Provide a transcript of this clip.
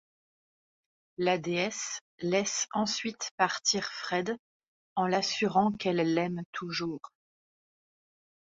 La déesse laisse ensuite partir Fred en l'assurant qu'elle l'aime toujours.